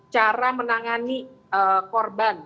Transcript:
cara menangani korban